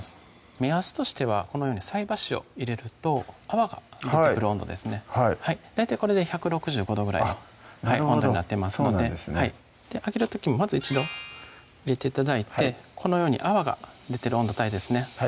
目安としてはこのように菜箸を入れると泡が出てくる温度ですね大体これで１６５度ぐらいあっなるほどそうなんですね揚げる時もまず一度入れて頂いてこのように泡が出てる温度帯ですね